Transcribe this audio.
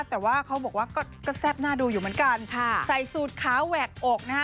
แต่ว่าเขาบอกว่าก็แซ่บหน้าดูอยู่เหมือนกันค่ะใส่สูตรขาวแหวกอกนะฮะ